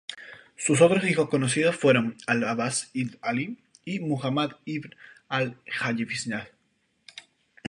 Sus otros hijos conocidos fueron Al-Abbás ibn Ali y Muhámmad ibn Al-Hanafiyyah.